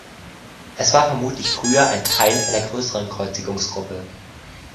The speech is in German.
Es war vermutlich früher ein Teil einer größeren Kreuzigungsgruppe.